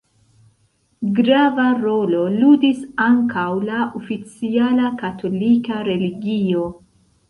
Grava rolo ludis ankaŭ la oficiala katolika religio.